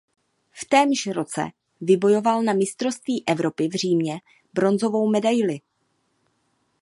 V témž roce vybojoval na mistrovství Evropy v Římě bronzovou medaili.